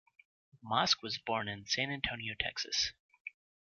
Mosk was born in San Antonio, Texas.